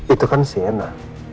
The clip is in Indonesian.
itu kan siena